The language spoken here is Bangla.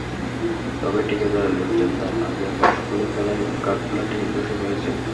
তবে ঠিকাদারের লোকজন তার আগেই বাঁশ খুলে ফেলায় ঘাটলাটি ধসে পড়েছে।